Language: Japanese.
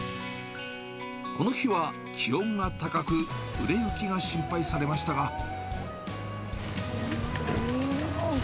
この日は気温が高く売れ行きが心配されましたが。